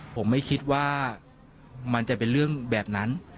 ผมไม่คิดว่ามันจะเป็นเรื่องแบบนั้น